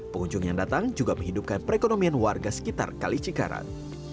pengunjung yang datang juga menghidupkan perekonomian warga sekitar kali cikarang